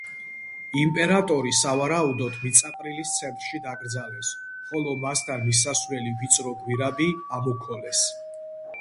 იმპერატორი, სავარაუდოდ, მიწაყრილის ცენტრში დაკრძალეს, ხოლო მასთან მისასვლელი ვიწრო გვირაბი ამოქოლეს.